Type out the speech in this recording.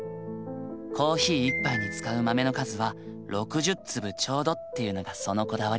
コーヒー１杯に使う豆の数は６０粒ちょうどっていうのがそのこだわり。